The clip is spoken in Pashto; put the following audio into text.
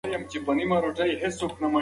بازار د سوداګرۍ او تبادلې ځای دی.